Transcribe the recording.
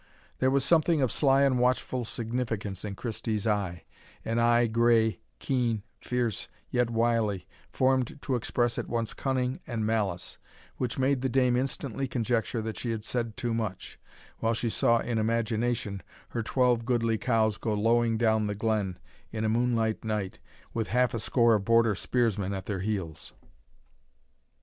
There was something of sly and watchful significance in Christie's eye, an eye gray, keen, fierce, yet wily, formed to express at once cunning, and malice, which made the dame instantly conjecture she had said too much, while she saw in imagination her twelve goodly cows go lowing down the glen in a moonlight night, with half a score of Border spearsmen at their heels.